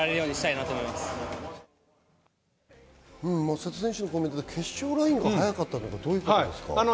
瀬戸選手のコメントで決勝ライン早かったってどういうことですか？